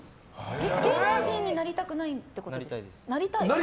芸能人になりたくないってことですか？